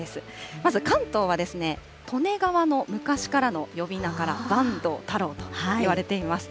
まず関東は、利根川の昔からの呼び名から坂東太郎といわれています。